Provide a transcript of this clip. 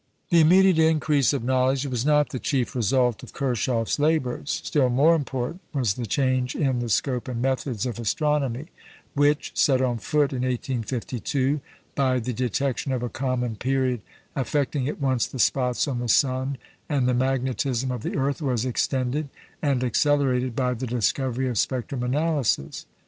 The immediate increase of knowledge was not the chief result of Kirchhoff's labours; still more important was the change in the scope and methods of astronomy, which, set on foot in 1852 by the detection of a common period affecting at once the spots on the sun and the magnetism of the earth, was extended and accelerated by the discovery of spectrum analysis.